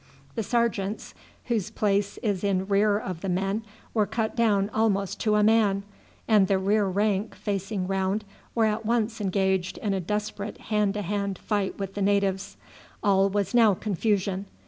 The sergeants, whose place is in rear of the men, were cut down almost to a man; and the rear rank, facing round, were at once engaged in a desperate hand to hand fight with the natives. All was now confusion.